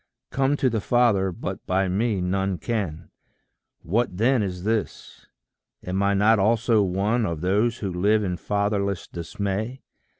"Come to the Father but by me none can:" What then is this? am I not also one Of those who live in fatherless dismay?